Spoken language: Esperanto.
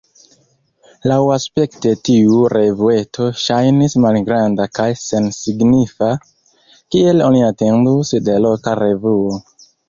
Laŭaspekte tiu revueto ŝajnis malgranda kaj sensignifa, kiel oni atendus de loka revuo.